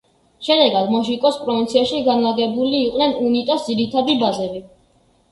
შედეგად მოშიკოს პროვინციაში განლაგებული იყვნენ უნიტას ძირითადი ბაზები.